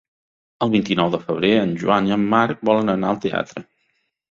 El vint-i-nou de febrer en Joan i en Marc volen anar al teatre.